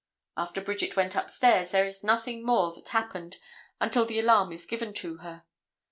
After Bridget went upstairs there is nothing more that happened until the alarm is given to her.